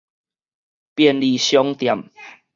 便利商店